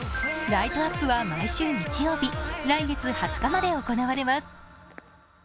ライトアップは来週日曜日来月２０日まで行われいます。